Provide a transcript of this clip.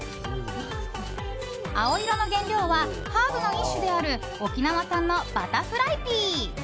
青色の原料はハーブの一種である沖縄産のバタフライピー。